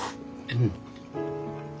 うん。